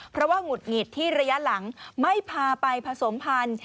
เพราะว่าหงุดหงิดที่ระยะหลังไม่พาไปผสมพันธุ์